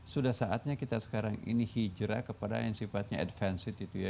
sudah saatnya kita sekarang ini hijrah kepada yang sifatnya advanced itu ya